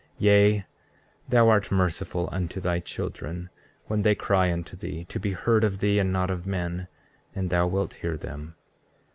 33:8 Yea, thou art merciful unto thy children when they cry unto thee, to be heard of thee and not of men, and thou wilt hear them.